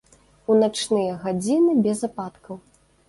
У начныя гадзіны без ападкаў.